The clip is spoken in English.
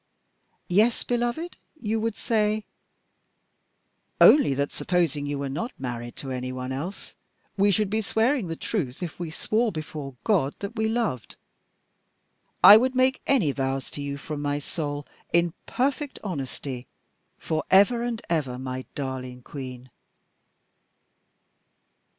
"Yes, beloved, you would say ?" "Only that supposing you were not married to any one else, we should be swearing the truth if we swore before God that we loved. I would make any vows to you from my soul, in perfect honesty, for ever and ever, my darling Queen."